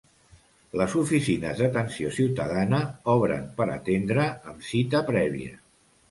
Les Oficines d'Atenció Ciutadana obren per atendre amb cita prèvia.